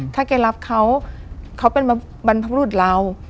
ถ้าแกรับเขาเขาเป็นบรรพบรุษเรา